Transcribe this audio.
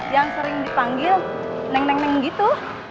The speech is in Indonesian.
yang sering dipanggil neng neng neng gitu